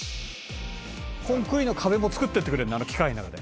「コンクリの壁も作ってってくれるのあの機械の中で。